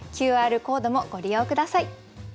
ＱＲコードもご利用下さい。